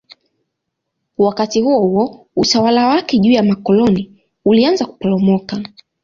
Wakati huohuo utawala wake juu ya makoloni ulianza kuporomoka.